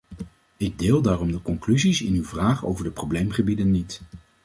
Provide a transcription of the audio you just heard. Ik deel daarom de conclusies in uw vraag over de probleemgebieden niet.